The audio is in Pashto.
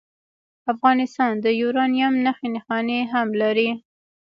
افغانستان د یورانیم نښې نښانې هم لري.